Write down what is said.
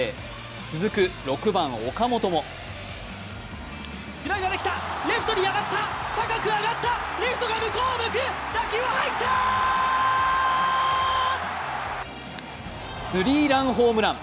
続く６番・岡本もスリーランホームラン。